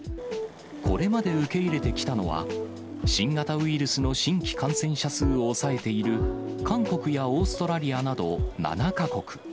これまで受け入れてきたのは、新型ウイルスの新規感染者数を抑えている韓国やオーストラリアなど７か国。